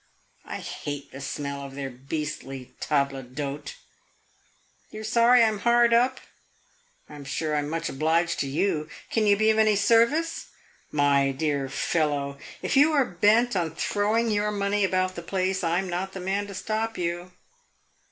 I hate the smell of their beastly table d'hote! You 're sorry I 'm hard up? I 'm sure I 'm much obliged to you. Can you be of any service? My dear fellow, if you are bent on throwing your money about the place I 'm not the man to stop you."